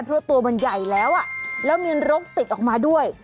เพราะตัวมันใหญ่แล้วแล้วมีรกติดออกมาด้วย